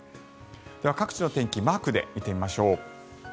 各地の天気マークで見てみましょう。